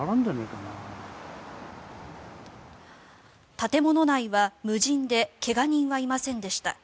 建物内は無人で怪我人はいませんでした。